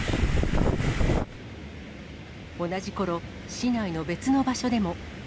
同じころ、市内の別の場所でも。